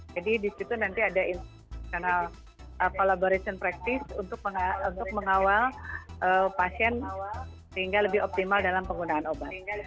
jadi disitu nanti ada insinional collaboration practice untuk mengawal pasien sehingga lebih optimal dalam penggunaan obat